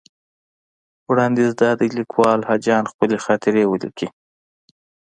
وړاندیز دا دی لیکوال حاجیان خپلې خاطرې ولیکي.